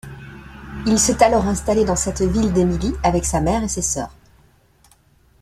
Il s'est alors installé dans cette ville d'Émilie avec sa mère et ses sœurs.